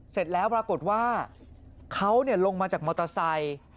เสร็จแล้วปรากฏว่าเขาลงมาจากมอเตอร์ไซค์